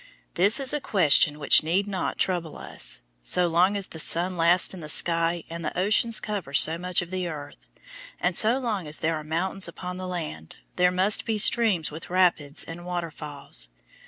This is a question which need not trouble us. So long as the sun lasts in the sky and the oceans cover so much of the earth, and so long as there are mountains upon the land, there must be streams with rapids and waterfalls.